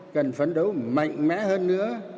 cần phấn đấu mạnh mẽ hơn nữa